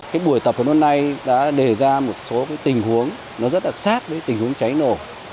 cái buổi tập huấn hôm nay đã đề ra một số cái tình huống nó rất là sát với tình huống cháy nổ